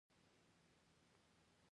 بې له دې چې له کاره لاس واخلم.